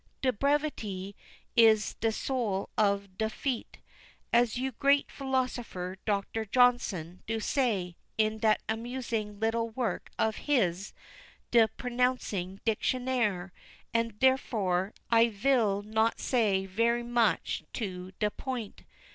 'De breveté is de sole of de feet,' as you great philosopher, Dr. Johnson, do say, in dat amusing little work of his, de Pronouncing Dictionnaire; and derefore, I vill not say ver moch to de point.